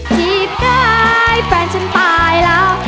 จีบได้แฟนฉันตายแล้ว